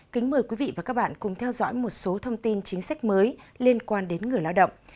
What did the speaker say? kính mời quý vị và các bạn cùng theo dõi một số thông tin chính sách mới liên quan đến người lao động